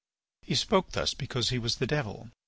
He spoke thus because he was the Devil.